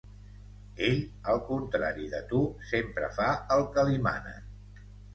Ell, al contrari de tu, sempre fa el que li manen.